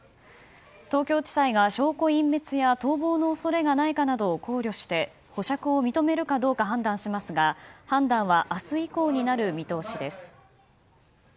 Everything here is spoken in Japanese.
東京地裁が証拠隠滅や逃亡の恐れがないかなど考慮して保釈を認めるかどうか判断しますが判断は明日以降になる見通しです。